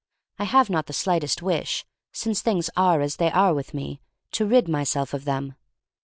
I have not the slightest wish, since things are as they are with me, to rid myself of them.